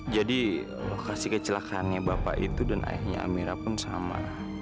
jadi lokasi kecelakaannya bapak itu dan ayahnya amira pun sama